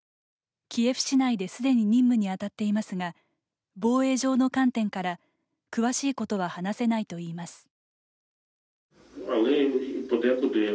キエフ市内ですでに任務に当たっていますが防衛上の観点から詳しいことは話せないといいます。